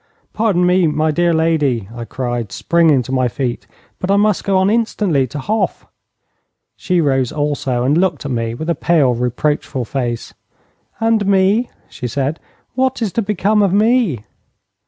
'Pardon me, my dear lady,' I cried, springing to my feet, 'but I must go on instantly to Hof.' She rose also, and looked at me with a pale, reproachful face. 'And me?' she said. 'What is to become of me?'